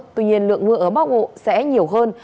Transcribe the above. tuy nhiên lượng mưa ở bắc bộ sẽ nhiều hơn